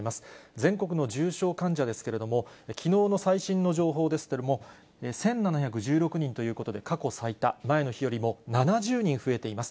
全国の重症患者ですけれども、きのうの最新の情報ですけれども、１７１６人ということで過去最多、前の日よりも７０人増えています。